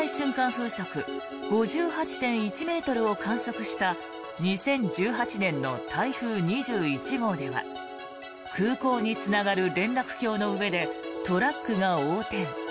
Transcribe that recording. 風速５８．１ｍを観測した２０１８年の台風２１号では空港につながる連絡橋の上でトラックが横転。